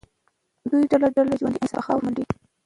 دوی ډله ډله ژوندي انسانان په خاورو منډي.